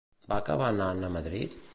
Va acabar anant a Madrid?